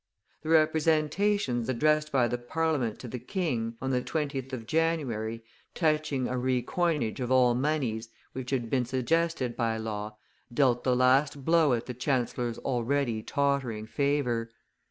The representations addressed by the Parliament to the king, on the 20th of January, touching a re coinage of all moneys, which had been suggested by Law, dealt the last blow at the chancellor's already tottering favor.